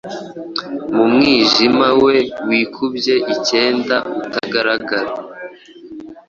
mu mwijima we wikubye icyenda Utagaragara,